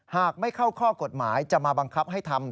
หากไม่เข้าข้อกฎหมายจะมาบังคับให้ทำ